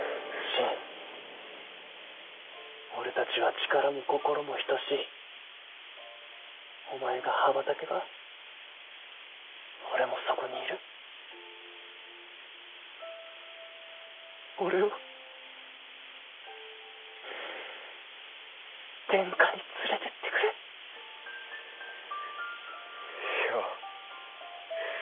信俺たちは力も心も等しいお前が羽ばたけば俺もそこにいる俺を天下に連れてってくれ漂。